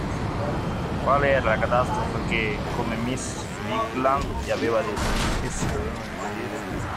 Quale era la catastrofe che, come miss Bigland gli aveva detto, essi dovevano impedire?